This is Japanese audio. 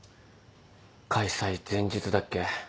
開催前日だっけ？